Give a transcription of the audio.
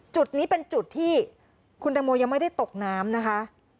จุดนี้เป็นจุดที่คุณตังโมยังไม่ได้ตกน้ำนะคะ